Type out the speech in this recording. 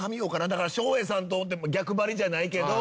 だから照英さんと逆張りじゃないけど。